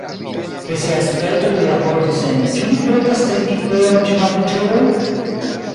Pri siaj spertoj li raportis en "Ĉu vi pretas trinki teon ĉe malriĉuloj?".